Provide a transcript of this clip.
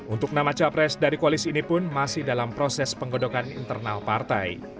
untuk nama capres dari koalisi ini pun masih dalam proses penggodokan internal partai